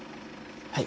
はい。